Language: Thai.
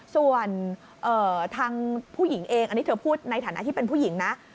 ส่วนทางผู้หญิงเองอันนี้เธอพูดในฐานะที่เป็นผู้หญิงนะ